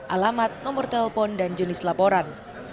alamat nomor telepon dan jenis laporan